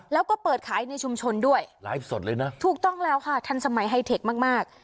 แล้วก็เปิดขายในชุมชนด้วยไลฟ์สดเลยนะถูกต้องแล้วค่ะทันสมัยไฮเทคมากมาก